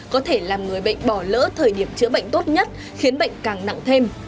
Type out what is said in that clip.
có thể làm người bệnh bỏ lỡ thời điểm chữa bệnh tốt nhất khiến bệnh càng nặng thêm